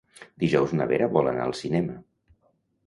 Dijous na Vera vol anar al cinema.